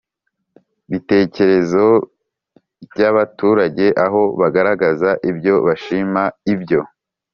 Bitekerezo by abaturage aho bagaragaza ibyo bashima ibyo